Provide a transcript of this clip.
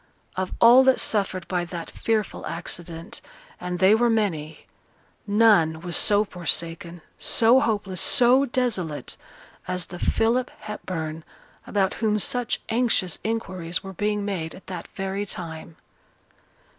Of all that suffered by that fearful accident (and they were many) none was so forsaken, so hopeless, so desolate, as the Philip Hepburn about whom such anxious inquiries were being made at that very time.